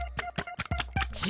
じ。